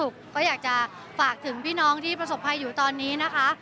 อยากมีความสุขก็อยากจะฝากถึงพี่น้องที่ประสบภัยอยู่ตอนนี้นะคะ